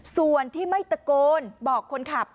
ส่วนที่ไม่ตะโกนบอกคนขับ